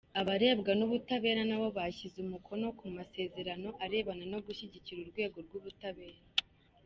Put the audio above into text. Abarebwa n’ubutabera nabo bashyize umukono ku masezerano arebana no gushyigikira urwego rw’ubutabera.